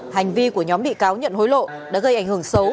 hành vi của nhóm bị cáo nhận hối lộ đã gây ảnh hưởng xấu